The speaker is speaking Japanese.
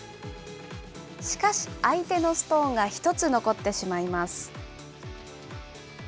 しかし、相手のストーンが１つ残ってしまいます。